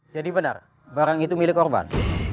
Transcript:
jadi bener barang itu milik korban